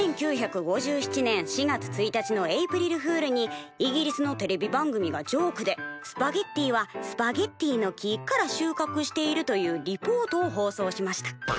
「１９５７年４月１日のエイプリルフールにイギリスのテレビ番組がジョークで『スパゲッティはスパゲッティの木からしゅうかくしている』というリポートを放送しました。